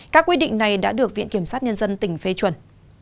các quyết định này đã được viện kiểm sát nhân dân tỉnh phê chuẩn